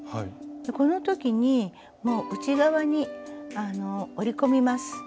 この時にもう内側に折り込みます。